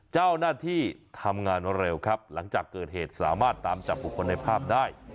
เจ้าหน้าที่ทำงานเร็วครับหลังจากเกิดเหตุสามารถตามจับบุคคลในภาพได้